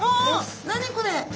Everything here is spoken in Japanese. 何これ！？